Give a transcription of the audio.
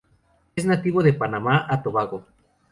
Es nativo de Panamá a Tobago.